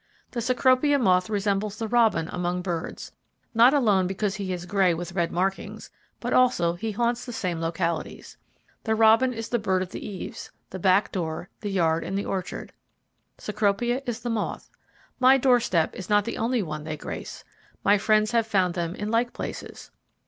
The Cecropia moth resembles the robin among birds; not alone because he is grey with red markings, but also he haunts the same localities. The robin is the bird of the eaves, the back door, the yard and orchard. Cecropia is the moth. My doorstep is not the only one they grace; my friends have found them in like places.